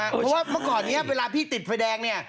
เพราะว่าเมื่อก่อนนี้เวลาพี่ติดไฟแดงเนี่ย